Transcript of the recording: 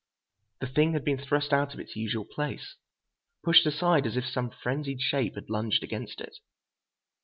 The thing had been thrust out of its usual place, pushed aside as if some frenzied shape had lunged against it.